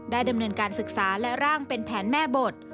ดำเนินการศึกษาและร่างเป็นแผนแม่บท